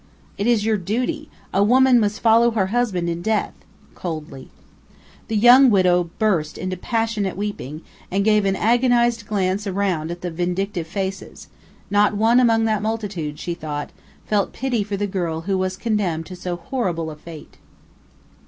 "It is your duty! A widow must follow her husband in death," coldly. The youthful widow burst into passionate weeping, and gave an agonized glance around at the vindictive faces; not one among that multitude, she thought, felt pity for the girl who was condemned to so horrible a fate.